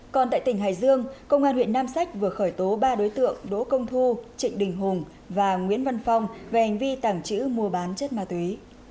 còn tại tỉnh hải dương công an huyện nam sách vừa khởi tố ba đối tượng đỗ công thu trịnh đình hùng và nguyễn văn phong về hành vi tàng trữ mua bán chất ma túy